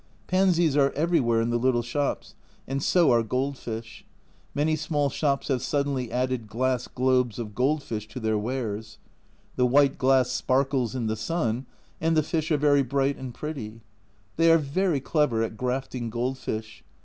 Pansies are everywhere in the little shops, and so are gold fish. Many small shops have suddenly added glass globes of gold fish to their wares ; the white glass sparkles in the sun, and the fish are very bright and pretty. They are very clever at grafting gold fish.